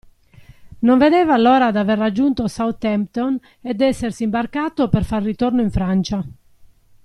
Non vedeva l'ora d'aver raggiunto Southampton e d'essersi imbarcato per far ritorno in Francia.